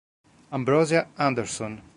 Ambrosia Anderson